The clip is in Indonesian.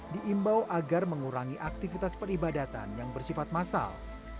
diimbau agar mengurangi aktivitas peribadatan yang bersifat massal